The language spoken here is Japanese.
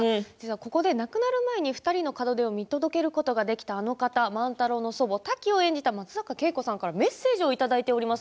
ここで亡くなる前に２人の門出を見届けることができたあの方万太郎の祖母、タキを演じた松坂慶子さんからメッセージをいただいています。